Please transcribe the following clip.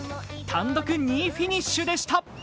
単独２位フィニッシュでした。